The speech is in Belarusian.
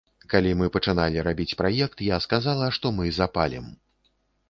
Калі мы пачыналі рабіць праект, я сказала, што мы запалім.